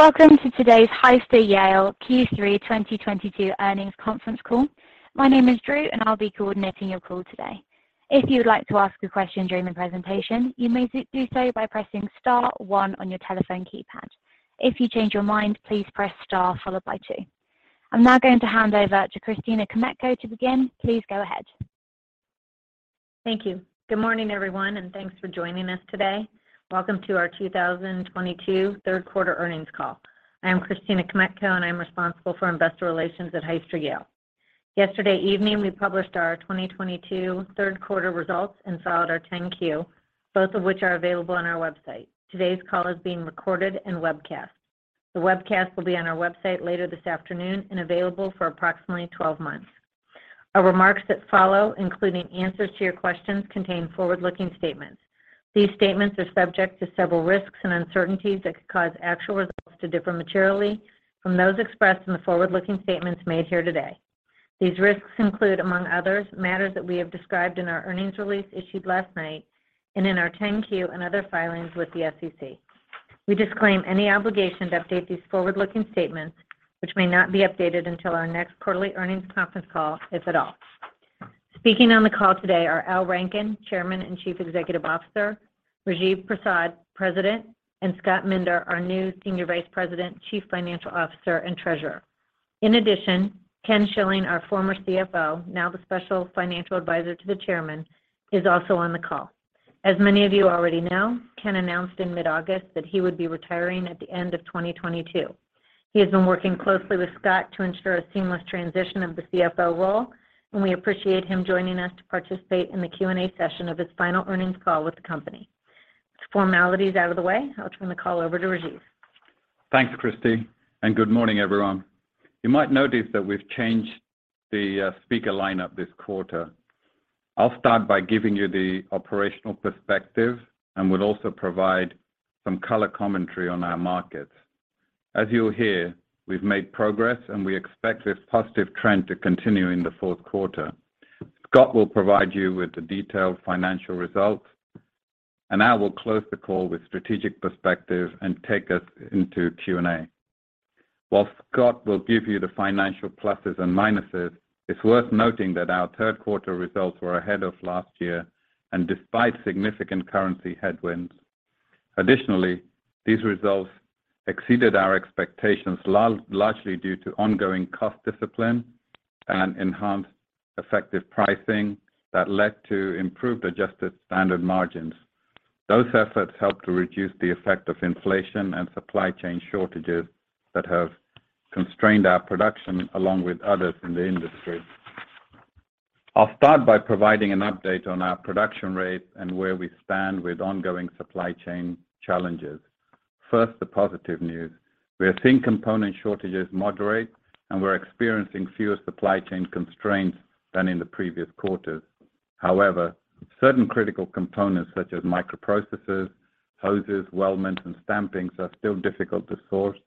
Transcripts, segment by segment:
Welcome to today's Hyster-Yale Q3 2022 earnings conference call. My name is Drew, and I'll be coordinating your call today. If you would like to ask a question during the presentation, you may do so by pressing star one on your telephone keypad. If you change your mind, please press star followed by two. I'm now going to hand over to Christina Kmetko to begin. Please go ahead. Thank you. Good morning, everyone, and thanks for joining us today. Welcome to our 2022 third quarter earnings call. I am Christina Kmetko, and I am responsible for investor relations at Hyster-Yale. Yesterday evening, we published our 2022 third quarter results and filed our 10-Q, both of which are available on our website. Today's call is being recorded and webcast. The webcast will be on our website later this afternoon and available for approximately 12 months. Our remarks that follow, including answers to your questions, contain forward-looking statements. These statements are subject to several risks and uncertainties that could cause actual results to differ materially from those expressed in the forward-looking statements made here today. These risks include, among others, matters that we have described in our earnings release issued last night and in our 10-Q and other filings with the SEC. We disclaim any obligation to update these forward-looking statements, which may not be updated until our next quarterly earnings conference call, if at all. Speaking on the call today are Al Rankin, Chairman and Chief Executive Officer, Rajiv Prasad, President, and Scott Minder, our new Senior Vice President, Chief Financial Officer, and Treasurer. In addition, Ken Schilling, our former CFO, now the Special Financial Advisor to the Chairman, is also on the call. As many of you already know, Ken announced in mid-August that he would be retiring at the end of 2022. He has been working closely with Scott to ensure a seamless transition of the CFO role, and we appreciate him joining us to participate in the Q&A session of his final earnings call with the company. With the formalities out of the way, I'll turn the call over to Rajiv. Thanks, Christina, and good morning, everyone. You might notice that we've changed the speaker lineup this quarter. I'll start by giving you the operational perspective and will also provide some color commentary on our markets. As you'll hear, we've made progress, and we expect this positive trend to continue in the fourth quarter. Scott will provide you with the detailed financial results, and I will close the call with strategic perspective and take us into Q&A. While Scott will give you the financial pluses and minuses, it's worth noting that our third quarter results were ahead of last year and despite significant currency headwinds. Additionally, these results exceeded our expectations largely due to ongoing cost discipline and enhanced effective pricing that led to improved adjusted standard margins. Those efforts helped to reduce the effect of inflation and supply chain shortages that have constrained our production along with others in the industry. I'll start by providing an update on our production rates and where we stand with ongoing supply chain challenges. First, the positive news. We are seeing component shortages moderate, and we're experiencing fewer supply chain constraints than in the previous quarters. However, certain critical components such as microprocessors, hoses, weldments, and stampings are still difficult to source,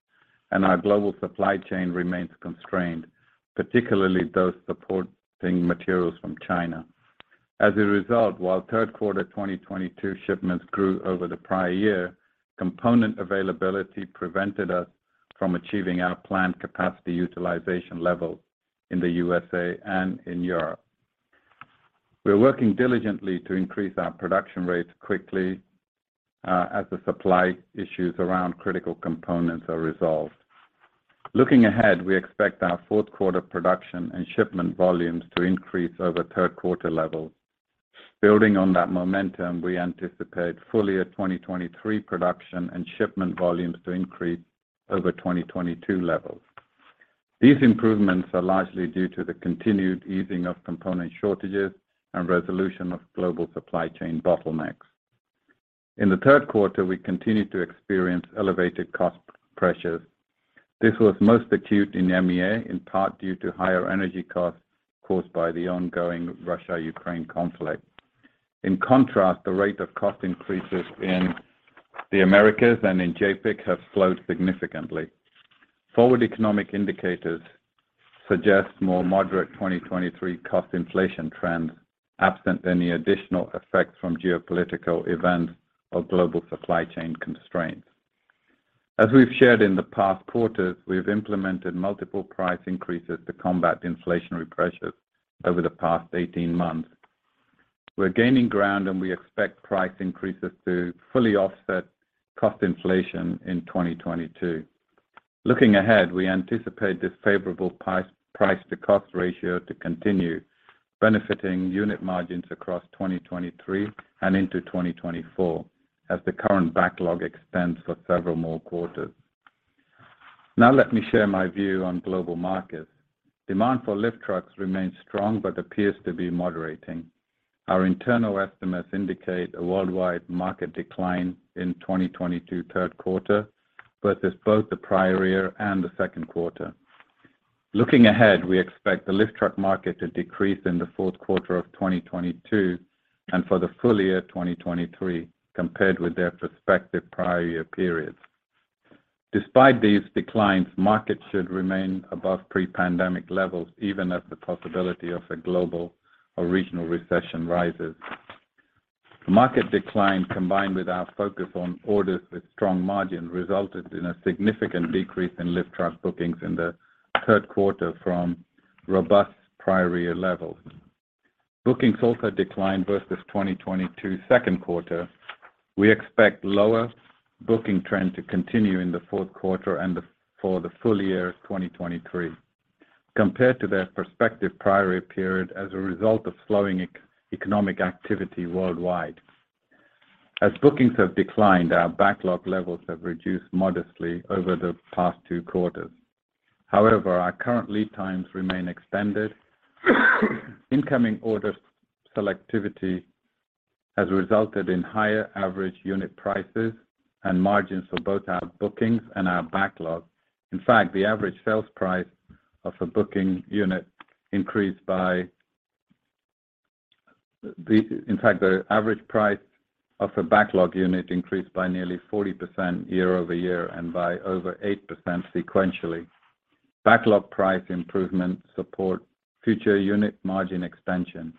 and our global supply chain remains constrained, particularly those supporting materials from China. As a result, while third quarter 2022 shipments grew over the prior year, component availability prevented us from achieving our planned capacity utilization levels in the USA and in Europe. We are working diligently to increase our production rates quickly, as the supply issues around critical components are resolved. Looking ahead, we expect our fourth quarter production and shipment volumes to increase over third quarter levels. Building on that momentum, we anticipate full year 2023 production and shipment volumes to increase over 2022 levels. These improvements are largely due to the continued easing of component shortages and resolution of global supply chain bottlenecks. In the third quarter, we continued to experience elevated cost pressures. This was most acute in EMEA, in part due to higher energy costs caused by the ongoing Russia-Ukraine conflict. In contrast, the rate of cost increases in the Americas and in JAPIC have slowed significantly. Forward economic indicators suggest more moderate 2023 cost inflation trends absent any additional effects from geopolitical events or global supply chain constraints. As we've shared in the past quarters, we've implemented multiple price increases to combat inflationary pressures over the past 18 months. We're gaining ground, and we expect price increases to fully offset cost inflation in 2022. Looking ahead, we anticipate this favorable price-to-cost ratio to continue benefiting unit margins across 2023 and into 2024 as the current backlog extends for several more quarters. Now let me share my view on global markets. Demand for lift trucks remains strong but appears to be moderating. Our internal estimates indicate a worldwide market decline in 2022 third quarter versus both the prior year and the second quarter. Looking ahead, we expect the lift truck market to decrease in the fourth quarter of 2022 and for the full year 2023 compared with their prospective prior year periods. Despite these declines, markets should remain above pre-pandemic levels, even as the possibility of a global or regional recession rises. Market decline, combined with our focus on orders with strong margin, resulted in a significant decrease in lift truck bookings in the third quarter from robust prior year levels. Bookings also declined versus 2022 second quarter. We expect lower booking trend to continue in the fourth quarter and for the full year of 2023 compared to their prospective prior year period as a result of slowing economic activity worldwide. As bookings have declined, our backlog levels have reduced modestly over the past two quarters. However, our current lead times remain extended. Incoming order selectivity has resulted in higher average unit prices and margins for both our bookings and our backlog. In fact, the average sales price of a booking unit increased by nearly 40% year-over-year and by over 8% sequentially. Backlog price improvements support future unit margin expansion.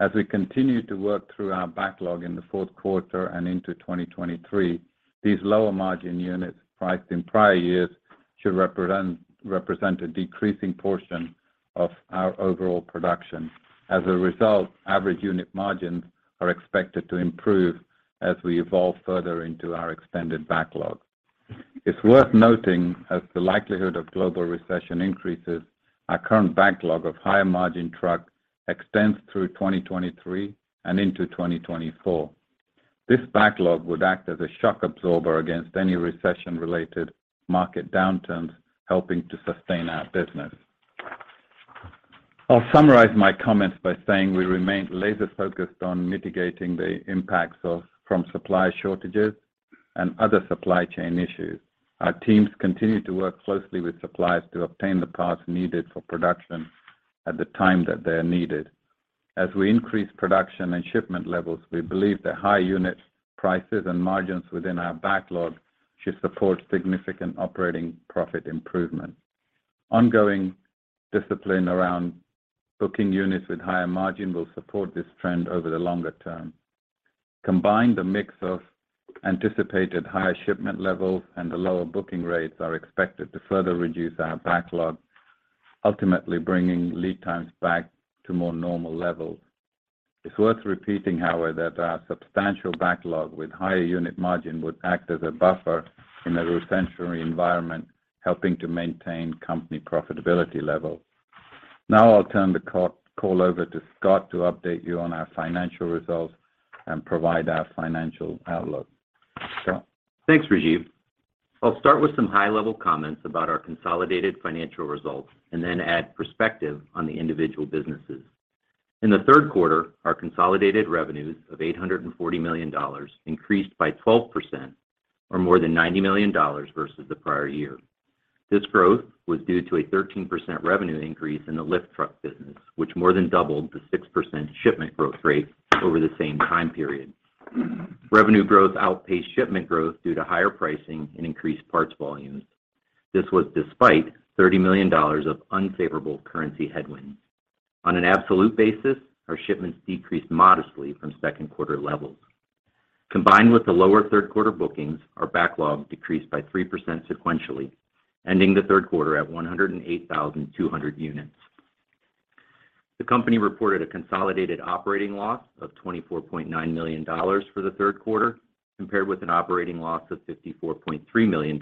As we continue to work through our backlog in the fourth quarter and into 2023, these lower margin units priced in prior years should represent a decreasing portion of our overall production. As a result, average unit margins are expected to improve as we evolve further into our extended backlog. It's worth noting, as the likelihood of global recession increases, our current backlog of higher margin truck extends through 2023 and into 2024. This backlog would act as a shock absorber against any recession-related market downturns, helping to sustain our business. I'll summarize my comments by saying we remain laser-focused on mitigating the impacts from supply shortages and other supply chain issues. Our teams continue to work closely with suppliers to obtain the parts needed for production at the time that they are needed. As we increase production and shipment levels, we believe the high unit prices and margins within our backlog should support significant operating profit improvement. Ongoing discipline around booking units with higher margin will support this trend over the longer term. Combined, a mix of anticipated higher shipment levels and the lower booking rates are expected to further reduce our backlog, ultimately bringing lead times back to more normal levels. It's worth repeating, however, that our substantial backlog with higher unit margin would act as a buffer in a recessionary environment, helping to maintain company profitability levels. Now I'll turn the call over to Scott to update you on our financial results and provide our financial outlook. Scott? Thanks, Rajiv. I'll start with some high-level comments about our consolidated financial results and then add perspective on the individual businesses. In the third quarter, our consolidated revenues of $840 million increased by 12% or more than $90 million versus the prior year. This growth was due to a 13% revenue increase in the lift truck business, which more than doubled the 6% shipment growth rate over the same time period. Revenue growth outpaced shipment growth due to higher pricing and increased parts volumes. This was despite $30 million of unfavorable currency headwinds. On an absolute basis, our shipments decreased modestly from second quarter levels. Combined with the lower third quarter bookings, our backlog decreased by 3% sequentially, ending the third quarter at 108,200 units. The company reported a consolidated operating loss of $24.9 million for the third quarter, compared with an operating loss of $54.3 million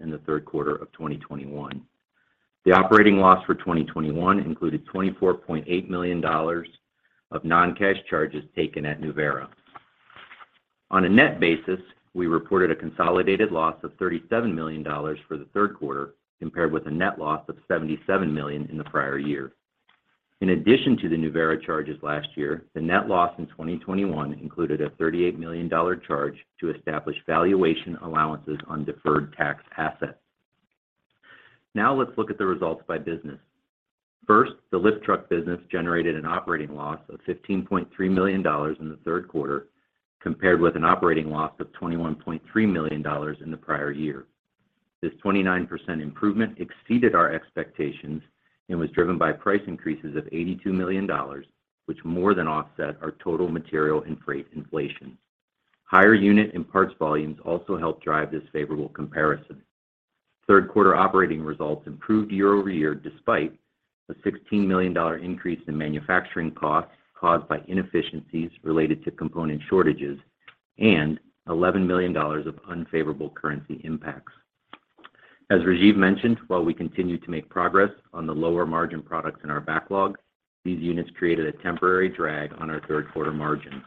in the third quarter of 2021. The operating loss for 2021 included $24.8 million of non-cash charges taken at Nuvera. On a net basis, we reported a consolidated loss of $37 million for the third quarter, compared with a net loss of $77 million in the prior year. In addition to the Nuvera charges last year, the net loss in 2021 included a $38 million charge to establish valuation allowances on deferred tax assets. Now let's look at the results by business. First, the lift truck business generated an operating loss of $15.3 million in the third quarter, compared with an operating loss of $21.3 million in the prior year. This 29% improvement exceeded our expectations and was driven by price increases of $82 million, which more than offset our total material and freight inflation. Higher unit and parts volumes also helped drive this favorable comparison. Third quarter operating results improved year-over-year despite the $16 million increase in manufacturing costs caused by inefficiencies related to component shortages and $11 million of unfavorable currency impacts. As Rajiv mentioned, while we continue to make progress on the lower margin products in our backlog, these units created a temporary drag on our third quarter margins.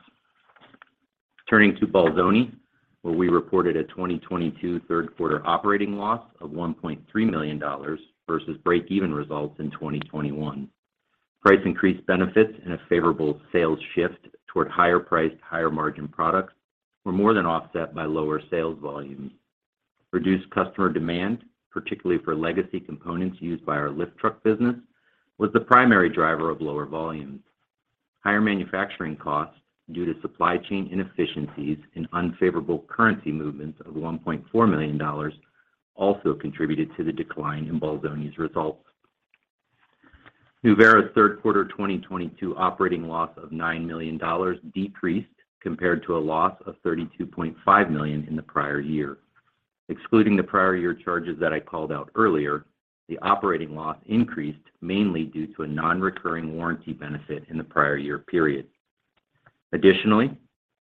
Turning to Bolzoni, where we reported a 2022 third quarter operating loss of $1.3 million versus breakeven results in 2021. Price increase benefits and a favorable sales shift toward higher priced, higher margin products were more than offset by lower sales volumes. Reduced customer demand, particularly for legacy components used by our lift truck business, was the primary driver of lower volumes. Higher manufacturing costs due to supply chain inefficiencies and unfavorable currency movements of $1.4 million also contributed to the decline in Bolzoni's results. Nuvera's third quarter 2022 operating loss of $9 million decreased compared to a loss of $32.5 million in the prior year. Excluding the prior year charges that I called out earlier, the operating loss increased mainly due to a non-recurring warranty benefit in the prior year period. Additionally,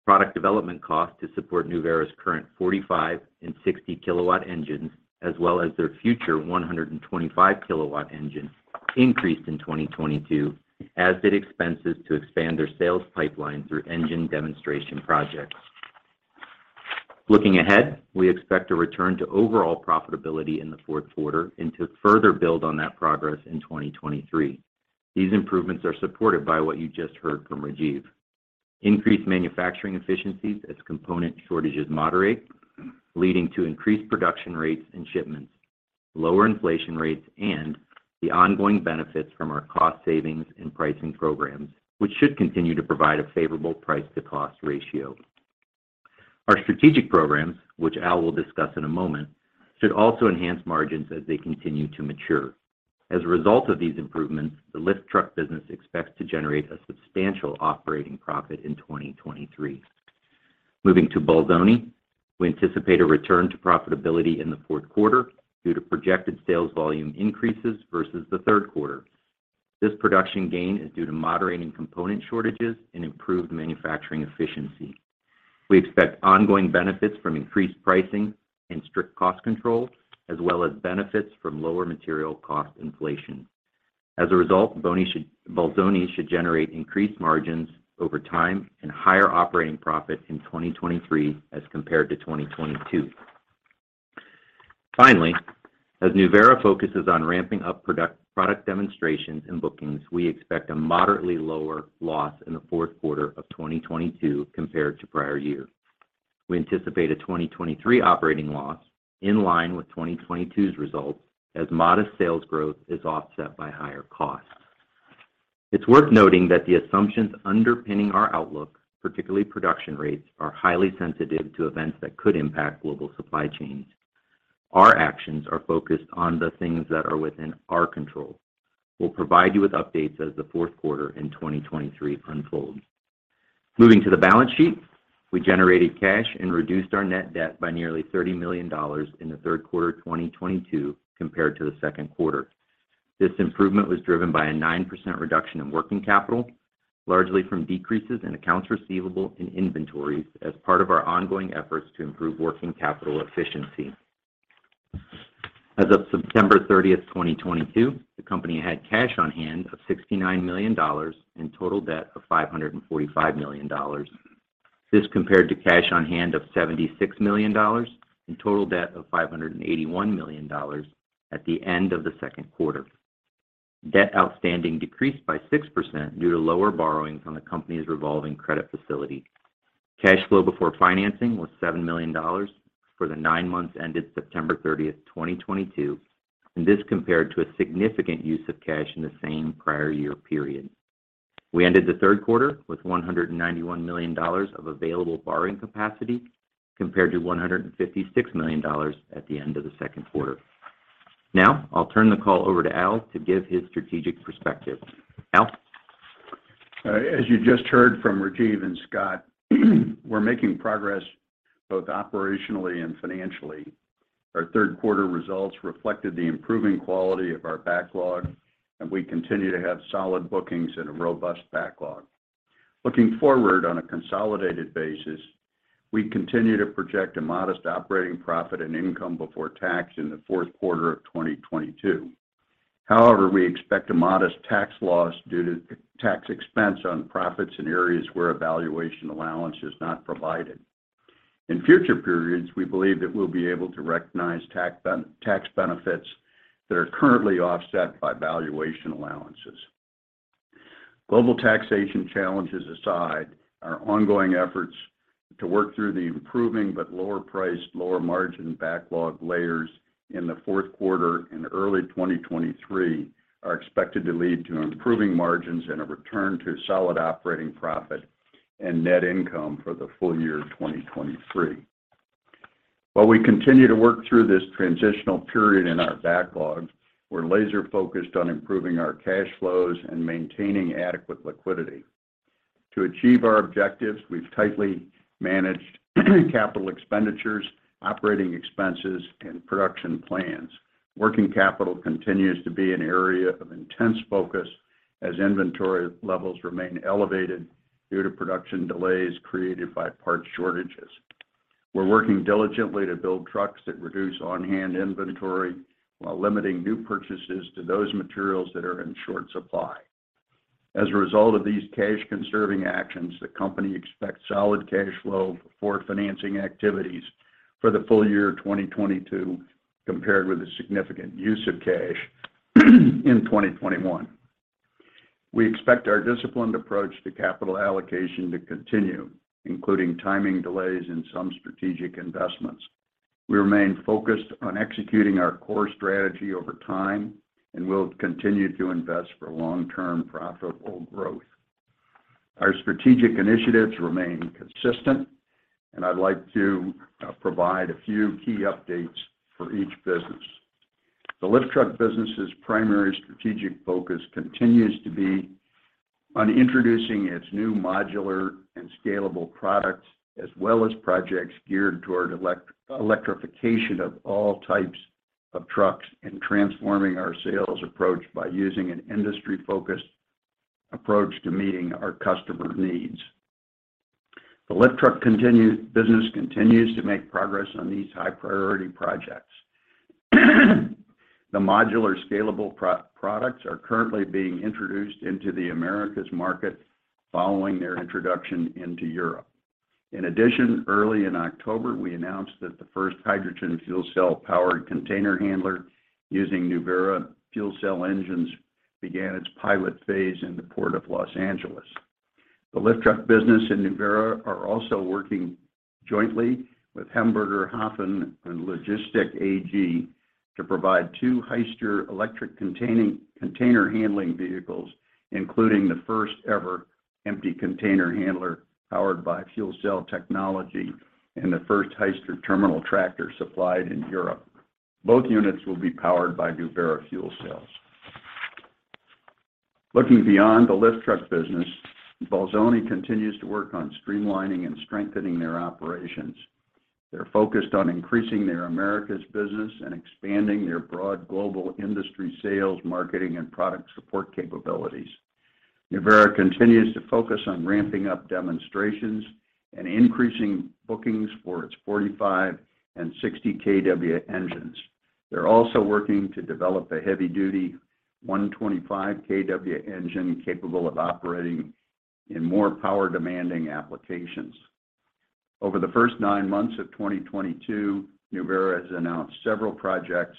product development costs to support Nuvera's current 45- and 60-kilowatt engines, as well as their future 125-kilowatt engine, increased in 2022 as did expenses to expand their sales pipeline through engine demonstration projects. Looking ahead, we expect to return to overall profitability in the fourth quarter and to further build on that progress in 2023. These improvements are supported by what you just heard from Rajiv. Increased manufacturing efficiencies as component shortages moderate, leading to increased production rates and shipments, lower inflation rates, and the ongoing benefits from our cost savings and pricing programs, which should continue to provide a favorable price-to-cost ratio. Our strategic programs, which Al will discuss in a moment, should also enhance margins as they continue to mature. As a result of these improvements, the lift truck business expects to generate a substantial operating profit in 2023. Moving to Bolzoni, we anticipate a return to profitability in the fourth quarter due to projected sales volume increases versus the third quarter. This production gain is due to moderating component shortages and improved manufacturing efficiency. We expect ongoing benefits from increased pricing and strict cost control, as well as benefits from lower material cost inflation. As a result, Bolzoni should generate increased margins over time and higher operating profit in 2023 as compared to 2022. Finally, as Nuvera focuses on ramping up product demonstrations and bookings, we expect a moderately lower loss in the fourth quarter of 2022 compared to prior year. We anticipate a 2023 operating loss in line with 2022's results as modest sales growth is offset by higher costs. It's worth noting that the assumptions underpinning our outlook, particularly production rates, are highly sensitive to events that could impact global supply chains. Our actions are focused on the things that are within our control. We'll provide you with updates as the fourth quarter in 2023 unfolds. Moving to the balance sheet, we generated cash and reduced our net debt by nearly $30 million in the third quarter of 2022 compared to the second quarter. This improvement was driven by a 9% reduction in working capital, largely from decreases in accounts receivable and inventories as part of our ongoing efforts to improve working capital efficiency. As of September 30, 2022, the company had cash on hand of $69 million and total debt of $545 million. This compared to cash on hand of $76 million and total debt of $581 million at the end of the second quarter. Debt outstanding decreased by 6% due to lower borrowings on the company's revolving credit facility. Cash flow before financing was $7 million for the nine months ended September 30, 2022, and this compared to a significant use of cash in the same prior year period. We ended the third quarter with $191 million of available borrowing capacity compared to $156 million at the end of the second quarter. Now, I'll turn the call over to Al to give his strategic perspective. Al? As you just heard from Rajiv and Scott, we're making progress both operationally and financially. Our third quarter results reflected the improving quality of our backlog, and we continue to have solid bookings and a robust backlog. Looking forward on a consolidated basis, we continue to project a modest operating profit and income before tax in the fourth quarter of 2022. However, we expect a modest tax loss due to tax expense on profits in areas where a valuation allowance is not provided. In future periods, we believe that we'll be able to recognize tax benefits that are currently offset by valuation allowances. Global taxation challenges aside, our ongoing efforts to work through the improving but lower priced, lower margin backlog layers in the fourth quarter and early 2023 are expected to lead to improving margins and a return to solid operating profit and net income for the full year of 2023. While we continue to work through this transitional period in our backlog, we're laser-focused on improving our cash flows and maintaining adequate liquidity. To achieve our objectives, we've tightly managed capital expenditures, operating expenses, and production plans. Working capital continues to be an area of intense focus as inventory levels remain elevated due to production delays created by part shortages. We're working diligently to build trucks that reduce on-hand inventory while limiting new purchases to those materials that are in short supply. As a result of these cash conserving actions, the company expects solid cash flow for financing activities for the full year of 2022 compared with a significant use of cash in 2021. We expect our disciplined approach to capital allocation to continue, including timing delays in some strategic investments. We remain focused on executing our core strategy over time, and we'll continue to invest for long-term profitable growth. Our strategic initiatives remain consistent, and I'd like to provide a few key updates for each business. The lift truck business's primary strategic focus continues to be on introducing its new modular and scalable products, as well as projects geared toward electrification of all types of trucks and transforming our sales approach by using an industry-focused approach to meeting our customer needs. The lift truck business continues to make progress on these high-priority projects. The modular, scalable products are currently being introduced into the Americas market following their introduction into Europe. In addition, early in October, we announced that the first hydrogen fuel cell-powered container handler using Nuvera fuel cell engines began its pilot phase in the Port of Los Angeles. The lift truck business and Nuvera are also working jointly with Hamburger Hafen und Logistik AG to provide two Hyster electric container handling vehicles, including the first ever empty container handler powered by fuel cell technology and the first Hyster terminal tractor supplied in Europe. Both units will be powered by Nuvera fuel cells. Looking beyond the lift truck business, Bolzoni continues to work on streamlining and strengthening their operations. They're focused on increasing their Americas business and expanding their broad global industry sales, marketing, and product support capabilities. Nuvera continues to focus on ramping up demonstrations and increasing bookings for its 45- and 60-kW engines. They're also working to develop a heavy-duty 125-kW engine capable of operating in more power-demanding applications. Over the first 9 months of 2022, Nuvera has announced several projects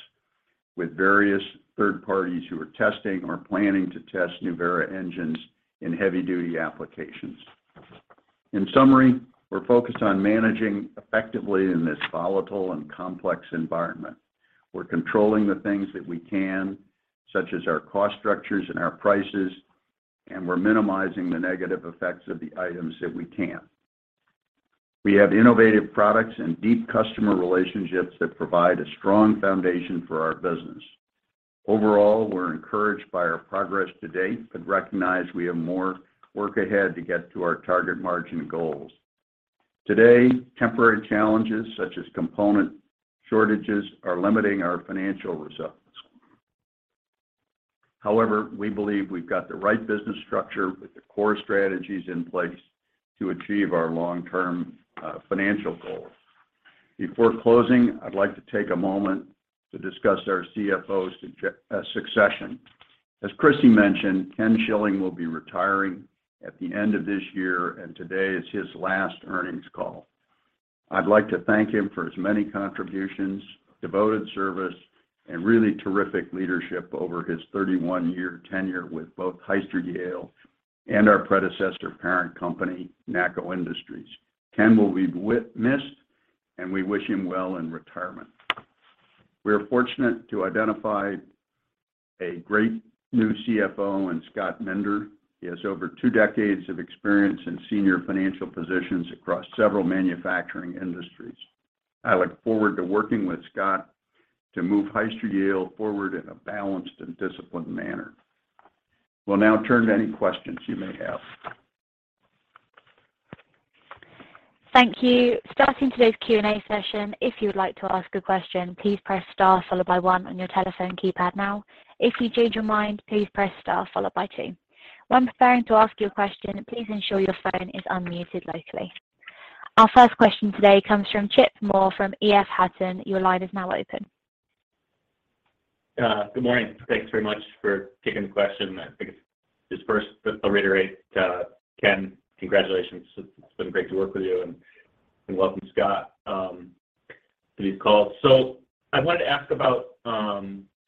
with various third parties who are testing or planning to test Nuvera engines in heavy-duty applications. In summary, we're focused on managing effectively in this volatile and complex environment. We're controlling the things that we can, such as our cost structures and our prices, and we're minimizing the negative effects of the items that we can't. We have innovative products and deep customer relationships that provide a strong foundation for our business. Overall, we're encouraged by our progress to date, but recognize we have more work ahead to get to our target margin goals. Today, temporary challenges such as component shortages are limiting our financial results. However, we believe we've got the right business structure with the core strategies in place to achieve our long-term financial goals. Before closing, I'd like to take a moment to discuss our CFO's succession. As Christina mentioned, Ken Schilling will be retiring at the end of this year, and today is his last earnings call. I'd like to thank him for his many contributions, devoted service, and really terrific leadership over his 31-year tenure with both Hyster-Yale and our predecessor parent company, NACCO Industries. Ken will be missed, and we wish him well in retirement. We are fortunate to identify a great new CFO in Scott Minder. He has over two decades of experience in senior financial positions across several manufacturing industries. I look forward to working with Scott to move Hyster-Yale forward in a balanced and disciplined manner. We'll now turn to any questions you may have. Thank you. Starting today's Q&A session, if you would like to ask a question, please press star followed by one on your telephone keypad now. If you change your mind, please press star followed by two. When preparing to ask your question, please ensure your phone is unmuted locally. Our first question today comes from Chip Moore from EF Hutton. Your line is now open. Good morning. Thanks very much for taking the question. I think it's just first, I'll reiterate to Ken, congratulations. It's been great to work with you, and welcome, Scott, to these calls. I wanted to ask about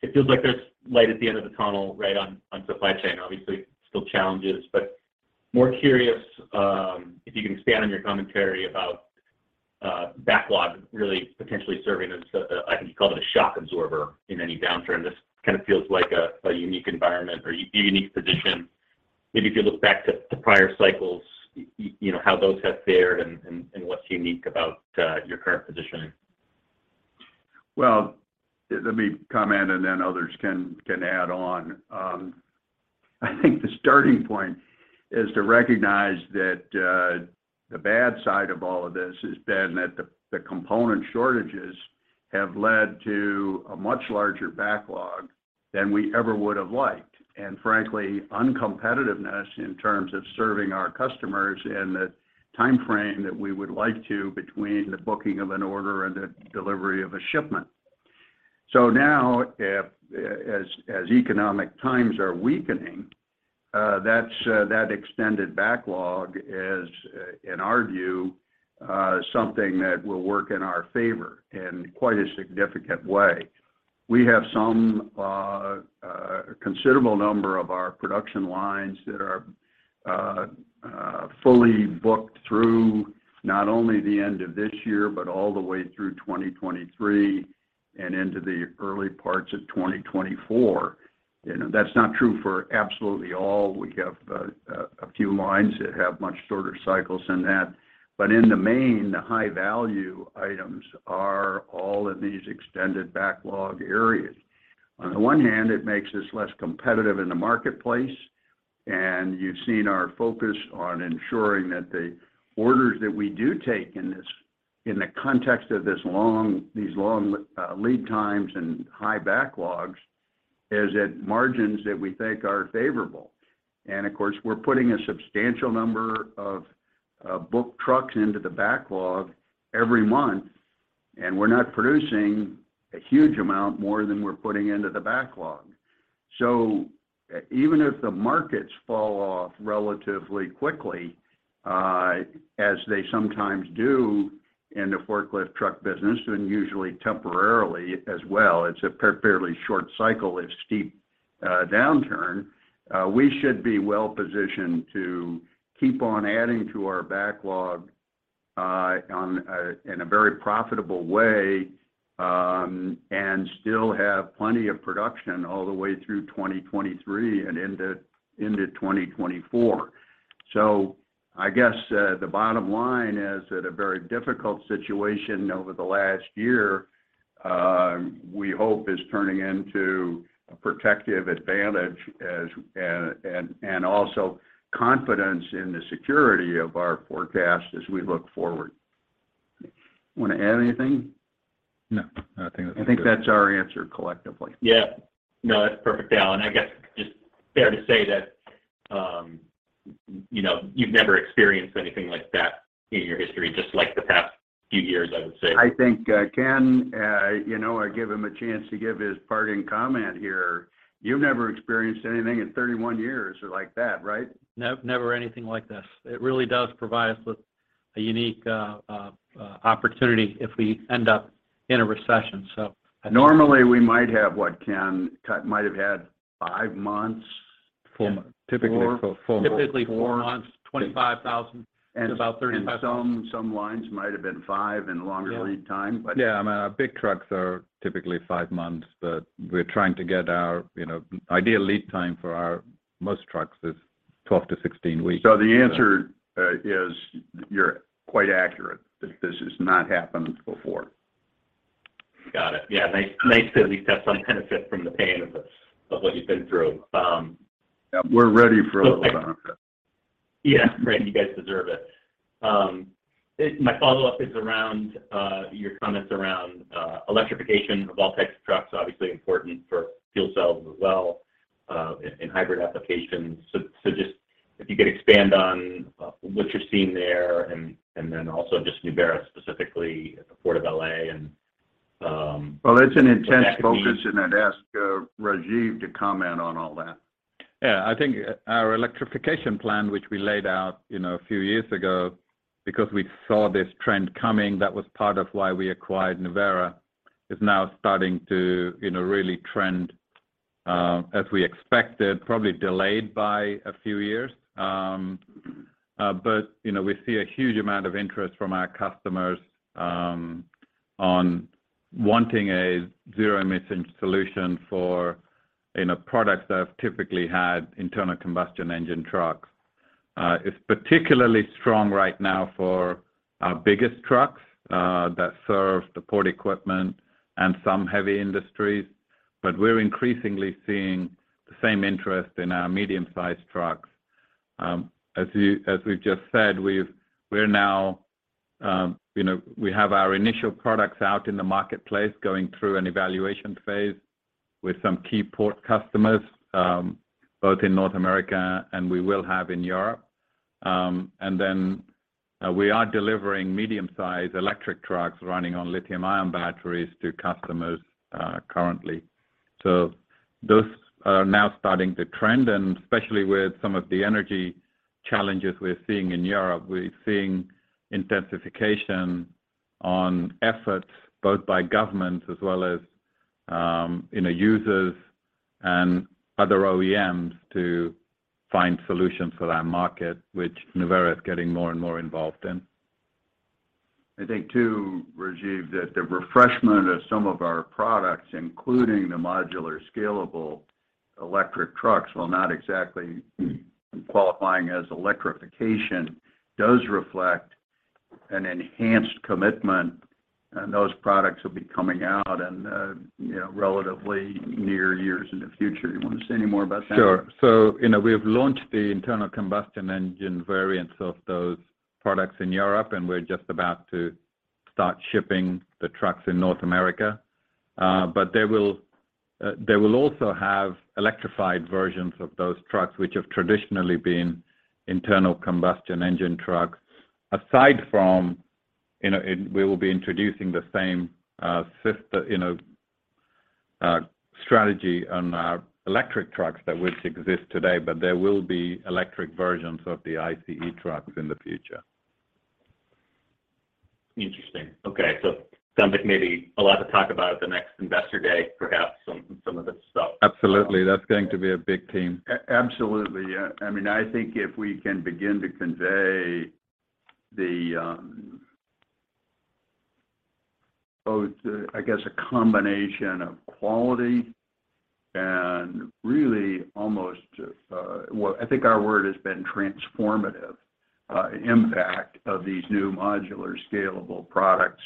it feels like there's light at the end of the tunnel, right, on supply chain. Obviously, still challenges, but more curious if you can expand on your commentary about backlog really potentially serving as the, I think you called it a shock absorber in any downturn. This kind of feels like a unique environment or unique position. Maybe if you look back to prior cycles, you know, how those have fared and what's unique about your current positioning. Well, let me comment, and then others can add on. I think the starting point is to recognize that the bad side of all of this has been that the component shortages have led to a much larger backlog than we ever would have liked, and frankly, uncompetitiveness in terms of serving our customers in the timeframe that we would like to between the booking of an order and the delivery of a shipment. Now, as economic times are weakening, that's extended backlog is, in our view, something that will work in our favor in quite a significant way. We have some considerable number of our production lines that are fully booked through not only the end of this year, but all the way through 2023. Into the early parts of 2024. You know, that's not true for absolutely all. We have a few lines that have much shorter cycles than that. In the main, the high value items are all in these extended backlog areas. On the one hand, it makes us less competitive in the marketplace, and you've seen our focus on ensuring that the orders that we do take in the context of these long lead times and high backlogs is at margins that we think are favorable. Of course, we're putting a substantial number of lift trucks into the backlog every month, and we're not producing a huge amount more than we're putting into the backlog. Even if the markets fall off relatively quickly, as they sometimes do in the forklift truck business, and usually temporarily as well, it's a fairly short cycle, a steep downturn, we should be well-positioned to keep on adding to our backlog, in a very profitable way, and still have plenty of production all the way through 2023 and into 2024. I guess the bottom line is that a very difficult situation over the last year, we hope is turning into a protective advantage as, and also confidence in the security of our forecast as we look forward. Want to add anything? No, I think that's good. I think that's our answer collectively. Yeah. No, that's perfect, Alan. I guess just fair to say that, you know, you've never experienced anything like that in your history, just like the past few years, I would say. I think, Ken, you know, I give him a chance to give his parting comment here. You've never experienced anything in 31 years like that, right? Nope, never anything like this. It really does provide us with a unique opportunity if we end up in a recession, so. Normally, we might have what, Ken? Might have had 5 months. 4 months. Typically 4 months. Typically 4 months, $25 thousand. About $35 thousand. Some lines might have been 5 and longer lead time. Yeah. I mean, our big trucks are typically 5 months, but we're trying to get our, you know, ideal lead time for our most trucks is 12-16 weeks. The answer is you're quite accurate that this has not happened before. Got it. Yeah. Nice to at least have some benefit from the pain of what you've been through. Yeah, we're ready for a little benefit. Yeah. Right. You guys deserve it. My follow-up is around your comments around electrification of all types of trucks. Obviously important for fuel cells as well in hybrid applications. Just if you could expand on what you're seeing there and then also just Nuvera specifically at the Port of L.A. and Well, it's an intense focus, and I'd ask Rajiv to comment on all that. Yeah. I think our electrification plan, which we laid out, you know, a few years ago because we saw this trend coming, that was part of why we acquired Nuvera, is now starting to, you know, really trend as we expected, probably delayed by a few years. We see a huge amount of interest from our customers on wanting a zero-emission solution for products that have typically had internal combustion engine trucks. It's particularly strong right now for our biggest trucks that serve the port equipment and some heavy industries. We're increasingly seeing the same interest in our medium-sized trucks. As we've just said, we're now, you know, we have our initial products out in the marketplace going through an evaluation phase with some key port customers, both in North America, and we will have in Europe. We are delivering medium-sized electric trucks running on lithium-ion batteries to customers, currently. Those are now starting to trend, and especially with some of the energy challenges we're seeing in Europe, we're seeing intensification on efforts both by governments as well as, you know, users and other OEMs to find solutions for that market, which Nuvera is getting more and more involved in. I think too, Rajiv, that the refreshment of some of our products, including the modular scalable electric trucks, while not exactly qualifying as electrification, does reflect an enhanced commitment, and those products will be coming out in, you know, relatively near years in the future. You want to say any more about that? Sure. You know, we have launched the internal combustion engine variants of those products in Europe, and we're just about to start shipping the trucks in North America. They will also have electrified versions of those trucks, which have traditionally been internal combustion engine trucks. You know, we will be introducing the same strategy on our electric trucks that which exist today. There will be electric versions of the ICE trucks in the future. Interesting. Okay. Sounds like maybe a lot to talk about at the next investor day. Absolutely. That's going to be a big team. Absolutely, yeah. I mean, I think if we can begin to convey the both, I guess, a combination of quality and really almost, well, I think our word has been transformative impact of these new modular, scalable products.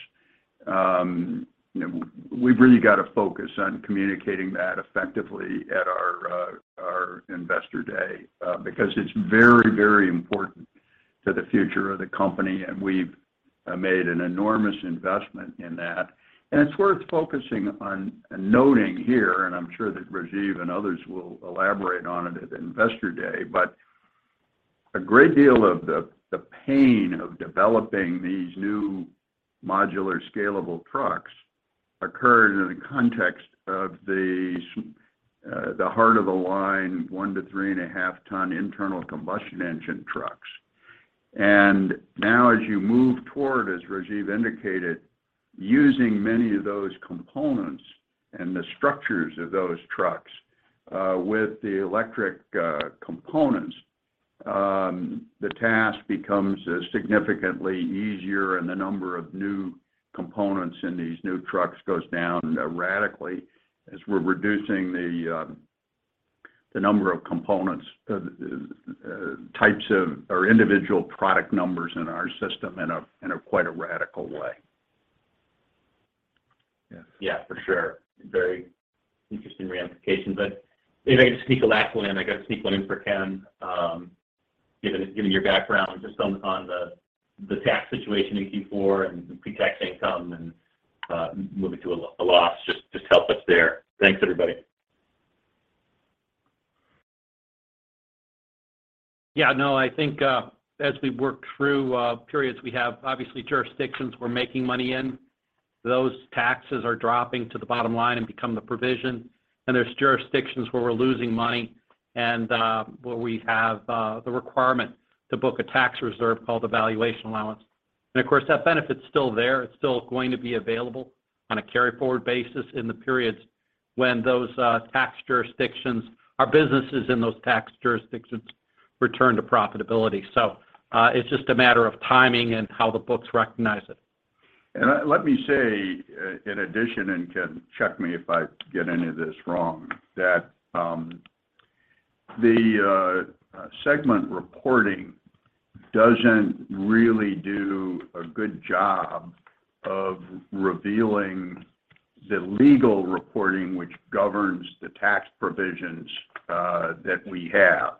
You know, we've really got to focus on communicating that effectively at our Investor Day, because it's very, very important to the future of the company, and we've made an enormous investment in that. It's worth focusing on and noting here, and I'm sure that Rajiv and others will elaborate on it at Investor Day. A great deal of the pain of developing these new modular scalable trucks occurred in the context of the heart of the line 1-3.5-ton internal combustion engine trucks. Now as you move toward, as Rajiv indicated, using many of those components and the structures of those trucks, with the electric components, the task becomes significantly easier and the number of new components in these new trucks goes down radically as we're reducing the number of components types of or individual product numbers in our system in a quite a radical way. Yeah. Yeah, for sure. Very interesting ramifications. If I could sneak a last one in, I gotta sneak one in for Ken. Given your background just on the tax situation in Q4 and pre-tax income and moving to a loss, just help us there. Thanks, everybody. Yeah, no, I think, as we work through periods, we have obviously jurisdictions we're making money in. Those taxes are dropping to the bottom line and become the provision. There's jurisdictions where we're losing money and where we have the requirement to book a tax reserve called the valuation allowance. Of course, that benefit's still there. It's still going to be available on a carry forward basis in the periods when those tax jurisdictions or businesses in those tax jurisdictions return to profitability. It's just a matter of timing and how the books recognize it. Let me say in addition, and Ken, check me if I get any of this wrong, that the segment reporting doesn't really do a good job of revealing the legal reporting which governs the tax provisions that we have.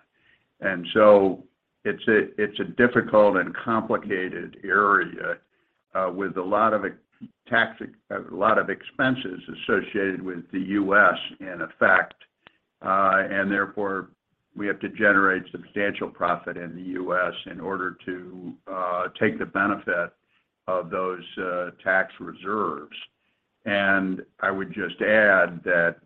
It's a difficult and complicated area with a lot of expenses associated with the US in effect. Therefore, we have to generate substantial profit in the US in order to take the benefit of those tax reserves. I would just add that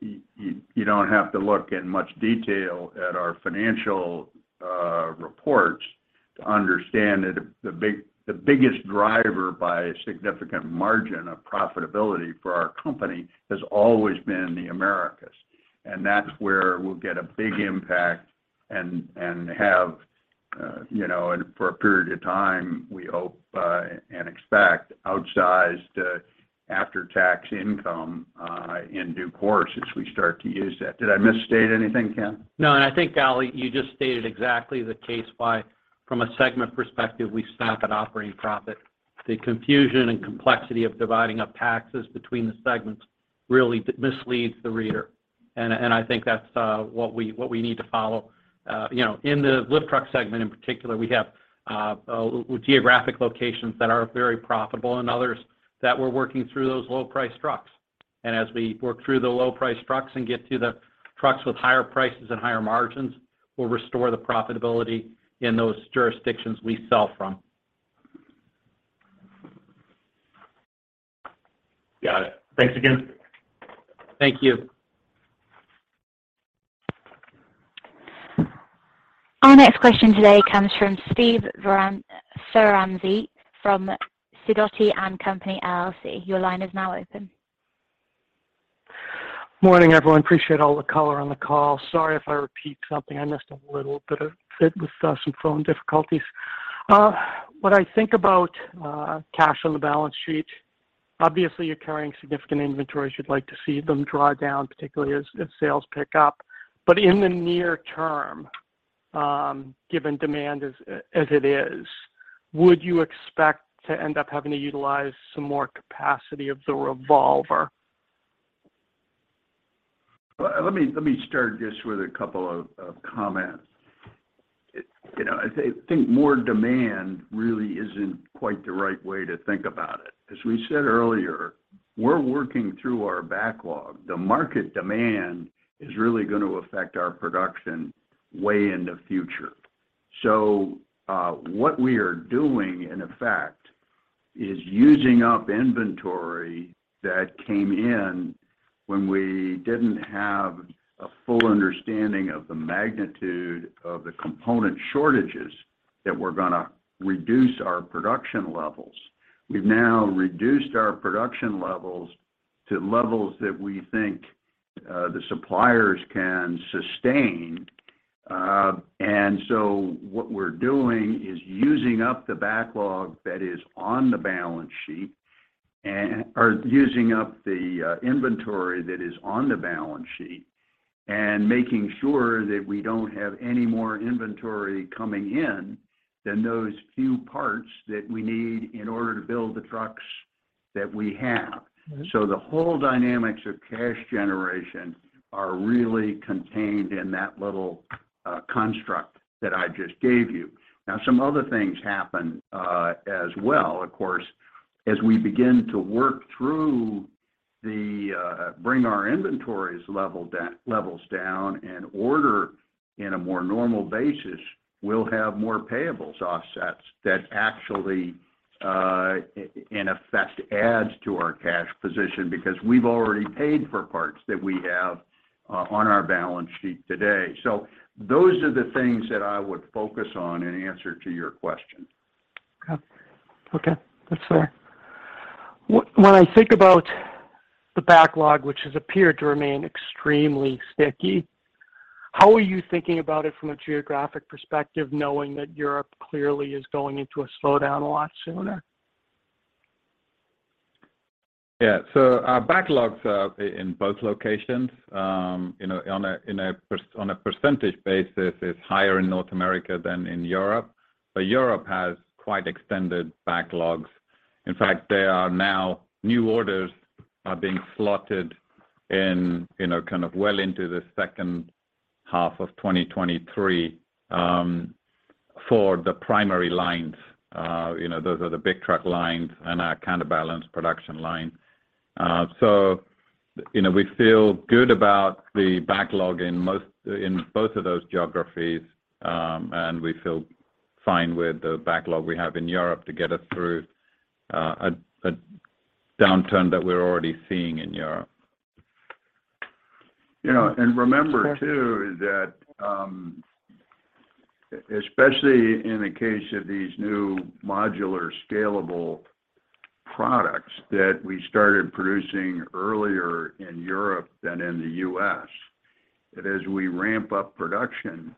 you don't have to look in much detail at our financial reports to understand that the biggest driver by a significant margin of profitability for our company has always been the Americas. That's where we'll get a big impact and have, you know, for a period of time, we hope, and expect outsized after-tax income, in due course as we start to use that. Did I misstate anything, Ken? No. I think, Al, you just stated exactly the case by, from a segment perspective, we stack an operating profit. The confusion and complexity of dividing up taxes between the segments really misleads the reader, and I think that's what we need to follow. You know, in the lift truck segment in particular, we have geographic locations that are very profitable and others that we're working through those low-priced trucks. As we work through the low-priced trucks and get to the trucks with higher prices and higher margins, we'll restore the profitability in those jurisdictions we sell from. Got it. Thanks again. Thank you. Our next question today comes from Steve Ferazani from Sidoti & Company, LLC. Your line is now open. Morning, everyone. Appreciate all the color on the call. Sorry if I repeat something. I missed a little bit of it with some phone difficulties. When I think about cash on the balance sheet, obviously you're carrying significant inventories. You'd like to see them draw down, particularly as sales pick up. In the near term, given demand as it is, would you expect to end up having to utilize some more capacity of the revolver? Let me start just with a couple of comments. You know, I think more demand really isn't quite the right way to think about it. As we said earlier, we're working through our backlog. The market demand is really gonna affect our production way in the future. What we are doing in effect is using up inventory that came in when we didn't have full understanding of the magnitude of the component shortages that we're gonna reduce our production levels. We've now reduced our production levels to levels that we think the suppliers can sustain. What we're doing is using up the inventory that is on the balance sheet and making sure that we don't have any more inventory coming in than those few parts that we need in order to build the trucks that we have. Mm-hmm. The whole dynamics of cash generation are really contained in that little construct that I just gave you. Now, some other things happen, as well, of course, as we begin to work through the levels down, and order in a more normal basis, we'll have more payables offsets that actually, in effect adds to our cash position because we've already paid for parts that we have on our balance sheet today. Those are the things that I would focus on in answer to your question. Okay. That's fair. When I think about the backlog, which has appeared to remain extremely sticky, how are you thinking about it from a geographic perspective, knowing that Europe clearly is going into a slowdown a lot sooner? Yeah. Our backlogs in both locations, you know, on a percentage basis is higher in North America than in Europe. Europe has quite extended backlogs. In fact, there are now new orders being slotted in, you know, kind of well into the second half of 2023, for the primary lines. You know, those are the big truck lines and our counterbalance production line. We feel good about the backlog in both of those geographies. We feel fine with the backlog we have in Europe to get us through a downturn that we're already seeing in Europe. You know, remember too is that, especially in the case of these new modular, scalable products that we started producing earlier in Europe than in the US, that as we ramp up production,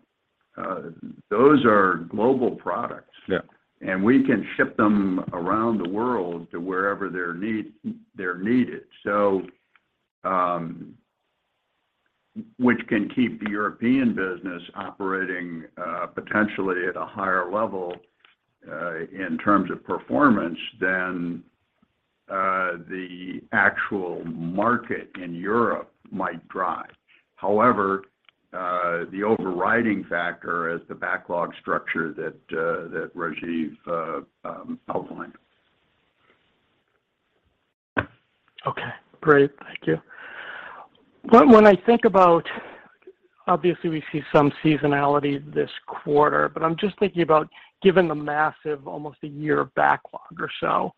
those are global products. Yeah. We can ship them around the world to wherever they're needed. Which can keep the European business operating potentially at a higher level in terms of performance than the actual market in Europe might drive. However, the overriding factor is the backlog structure that Rajiv outlined. Okay, great. Thank you. When I think about, obviously we see some seasonality this quarter, but I'm just thinking about given the massive almost a year backlog or so,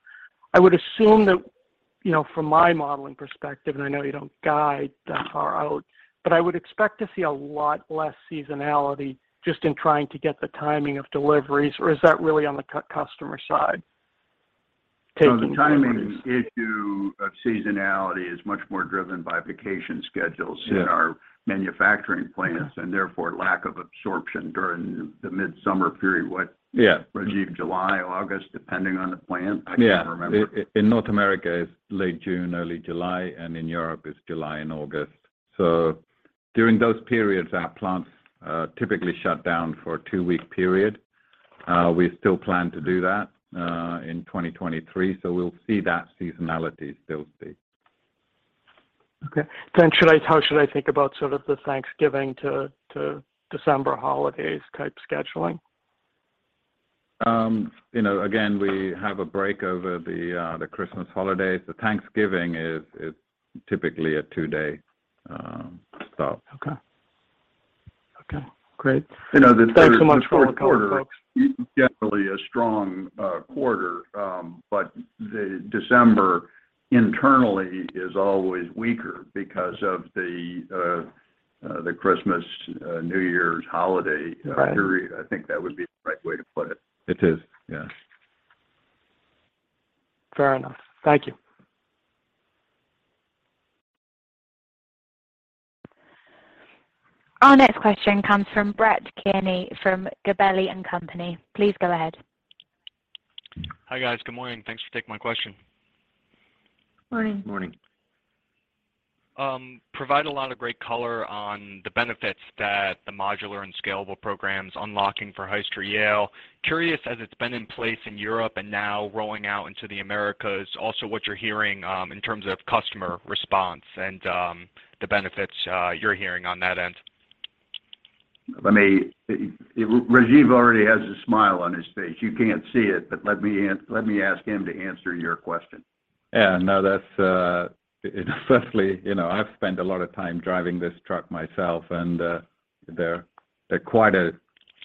I would assume that, you know, from my modeling perspective, and I know you don't guide that far out, but I would expect to see a lot less seasonality just in trying to get the timing of deliveries. Or is that really on the customer side taking deliveries? The timing issue of seasonality is much more driven by vacation schedules. Yeah in our manufacturing plants, and therefore lack of absorption during the midsummer period. Yeah Rajiv, July, August, depending on the plant? Yeah. I can't remember. In North America, it's late June, early July, and in Europe, it's July and August. During those periods, our plants typically shut down for a two-week period. We still plan to do that in 2023, so we'll see that seasonality still stay. How should I think about sort of the Thanksgiving to December holidays type scheduling? You know, again, we have a break over the Christmas holidays. The Thanksgiving is typically a two-day stop. Okay, great. You know, the third and fourth quarter. Thanks so much for all the color, folks. is definitely a strong quarter. The December internally is always weaker because of the Christmas, New Year's holiday period. Right. I think that would be the right way to put it. It is, yeah. Fair enough. Thank you. Our next question comes from Brett Kearney from Gabelli & Company. Please go ahead. Hi, guys. Good morning. Thanks for taking my question. Morning. Morning. Provide a lot of great color on the benefits that the modular and scalable programs unlocking for Hyster-Yale. Curious, as it's been in place in Europe and now rolling out into the Americas, also what you're hearing in terms of customer response and the benefits you're hearing on that end. Rajiv already has a smile on his face. You can't see it, but let me ask him to answer your question. Yeah, no, that's firstly, you know, I've spent a lot of time driving this truck myself and they're quite a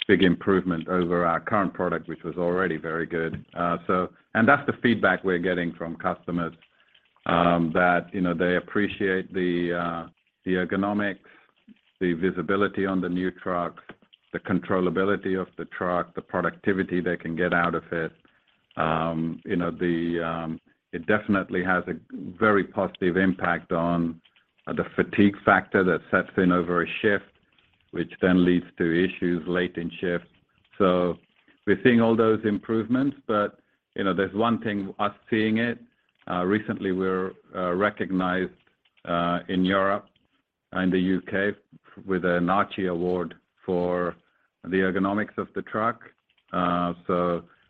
big improvement over our current product, which was already very good. And that's the feedback we're getting from customers that you know they appreciate the ergonomics, the visibility on the new trucks, the controllability of the truck, the productivity they can get out of it. You know it definitely has a very positive impact on the fatigue factor that sets in over a shift, which then leads to issues late in shift. We're seeing all those improvements, but you know there's one thing us seeing it. Recently, we're recognized in Europe in the UK with an Archies Awards for the ergonomics of the truck.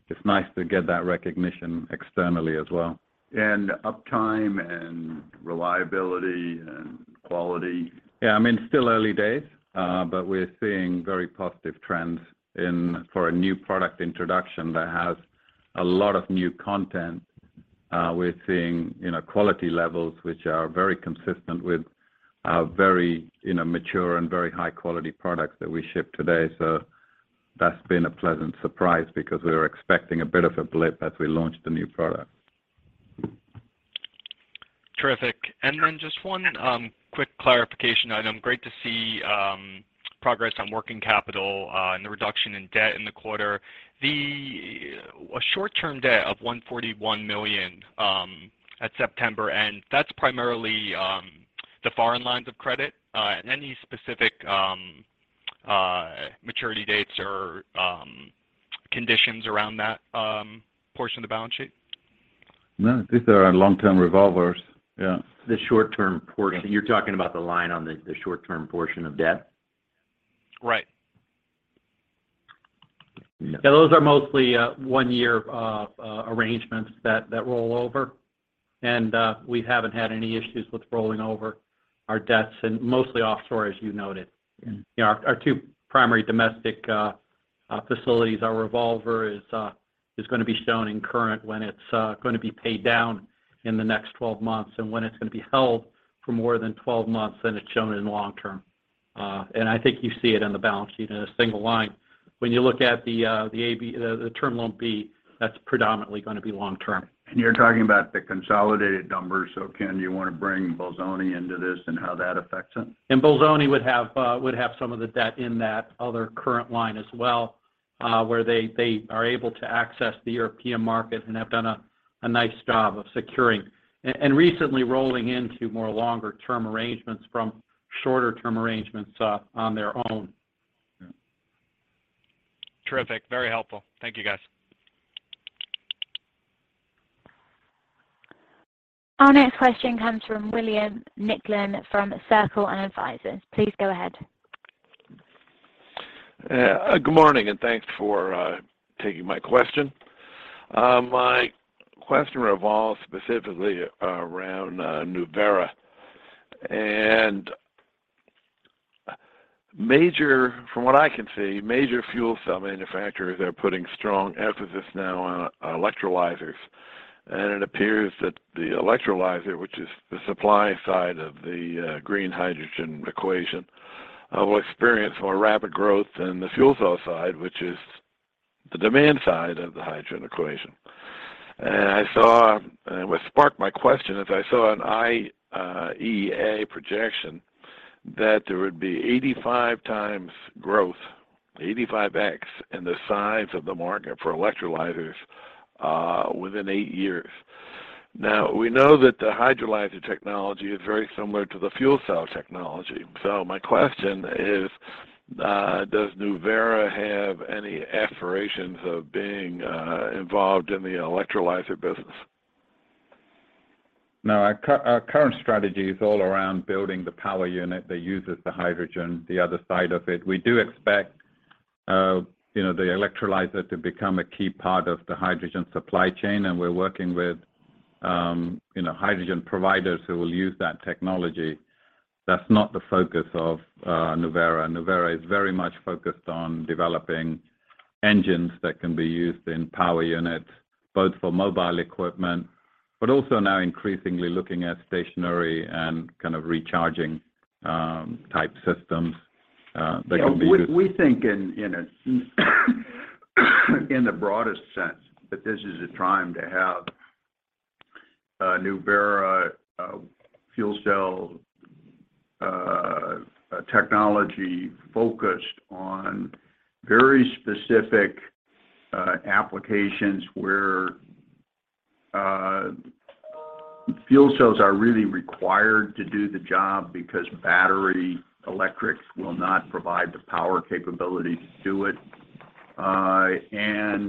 It's nice to get that recognition externally as well. Uptime and reliability and quality. Yeah. I mean, still early days, but we're seeing very positive trends for a new product introduction that has a lot of new content. We're seeing, you know, quality levels which are very consistent with our very, you know, mature and very high-quality products that we ship today. That's been a pleasant surprise because we were expecting a bit of a blip as we launched the new product. Terrific. Then just one quick clarification item. Great to see progress on working capital and the reduction in debt in the quarter. A short-term debt of $141 million at September, and that's primarily the foreign lines of credit. Any specific maturity dates or conditions around that portion of the balance sheet? No, these are our long-term revolvers. Yeah. The short-term portion. You're talking about the line on the short-term portion of debt? Right. Yeah. Yeah, those are mostly one year of arrangements that roll over. We haven't had any issues with rolling over our debts, and mostly offshore, as you noted. You know, our two primary domestic facilities, our revolver is gonna be shown in current when it's gonna be paid down in the next 12 months. When it's gonna be held for more than 12 months, then it's shown in long-term. I think you see it in the balance sheet in a single line. When you look at the AB, the term loan B, that's predominantly gonna be long term. You're talking about the consolidated numbers, so Ken, do you wanna bring Bolzoni into this and how that affects it? Bolzoni would have some of the debt in that other current line as well, where they are able to access the European market and have done a nice job of securing and recently rolling into more longer term arrangements from shorter term arrangements on their own. Terrific. Very helpful. Thank you, guys. Our next question comes from William Nicklin from Circle Advisers, Inc. Please go ahead. Good morning, and thanks for taking my question. My question revolves specifically around Nuvera. From what I can see, major fuel cell manufacturers are putting strong emphasis now on electrolyzers. It appears that the electrolyzer, which is the supply side of the green hydrogen equation, will experience more rapid growth than the fuel cell side, which is the demand side of the hydrogen equation. What sparked my question is I saw an IEA projection that there would be 85 times growth, 85X, in the size of the market for electrolyzers within 8 years. Now, we know that the electrolyzer technology is very similar to the fuel cell technology. My question is, does Nuvera have any aspirations of being involved in the electrolyzer business? No. Our current strategy is all around building the power unit that uses the hydrogen, the other side of it. We do expect, you know, the electrolyzer to become a key part of the hydrogen supply chain, and we're working with, you know, hydrogen providers who will use that technology. That's not the focus of Nuvera. Nuvera is very much focused on developing engines that can be used in power units, both for mobile equipment, but also now increasingly looking at stationary and kind of recharging type systems that can be used. Yeah. We think in the broadest sense that this is a time to have Nuvera fuel cell technology focused on very specific applications where fuel cells are really required to do the job because battery electric will not provide the power capability to do it.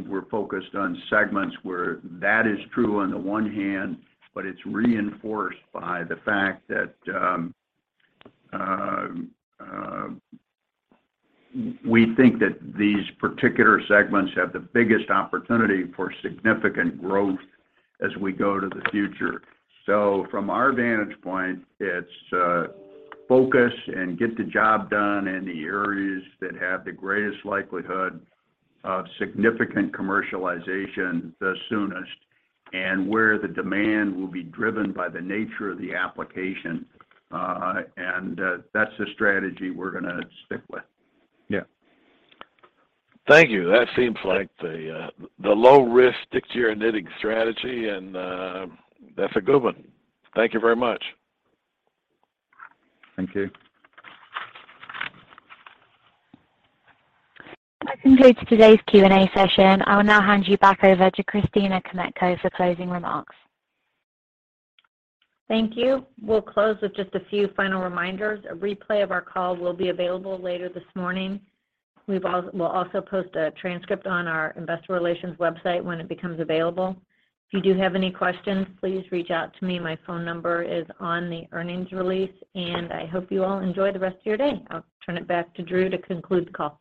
We're focused on segments where that is true on the one hand, but it's reinforced by the fact that we think that these particular segments have the biggest opportunity for significant growth as we go to the future. From our vantage point, it's focus and get the job done in the areas that have the greatest likelihood of significant commercialization the soonest and where the demand will be driven by the nature of the application. That's the strategy we're gonna stick with. Yeah. Thank you. That seems like the low risk, stick to your knitting strategy, and that's a good one. Thank you very much. Thank you. That concludes today's Q&A session. I will now hand you back over to Christina Kmetko for closing remarks. Thank you. We'll close with just a few final reminders. A replay of our call will be available later this morning. We'll also post a transcript on our investor relations website when it becomes available. If you do have any questions, please reach out to me. My phone number is on the earnings release, and I hope you all enjoy the rest of your day. I'll turn it back to Drew to conclude the call.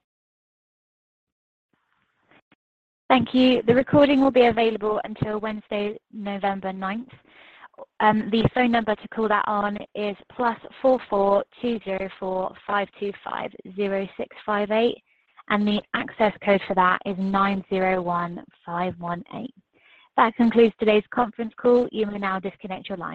Thank you. The recording will be available until Wednesday, November ninth. The phone number to call that on is +44 20 4525 0658, and the access code for that is 901518. That concludes today's conference call. You may now disconnect your lines.